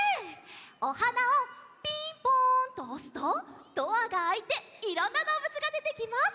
おはなをピンポンとおすとドアがあいていろんなどうぶつがでてきます。